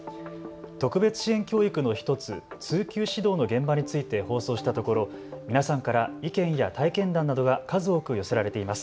特別支援教育の１つ通級指導の現場について放送したところ皆さんから意見や体験談などが数多く寄せられています。